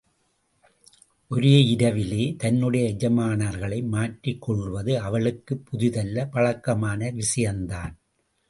ஒரே இரவிலே தன்னுடைய எஜமானர்களை மாற்றிக் கொள்ளுவது அவளுக்குப் புதிதல்ல பழக்கமான விஷயந்தான்.